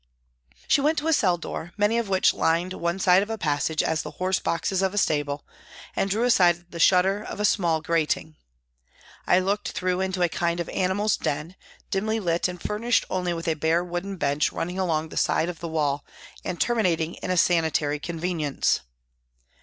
She went to a cell door, many of which lined one side of a passage as the horse boxes of a stable, and drew aside the shutter of a small grating. I looked through into a kind of animal's den, dimly lit and furnished only with a bare wooden bench running along the side of the wall, and terminating in 26 PRISONS AND PRISONERS a sanitary convenience.